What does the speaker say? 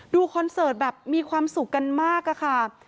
คอนเสิร์ตแบบมีความสุขกันมากอะค่ะ